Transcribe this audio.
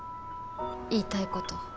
言いたいこと。